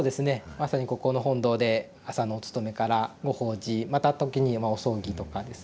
まさにここの本堂で朝のお勤めからご法事また時にお葬儀とかですね